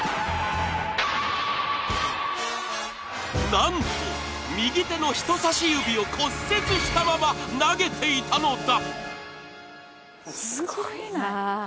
なんと右手の人さし指を骨折したまま投げていたのだ。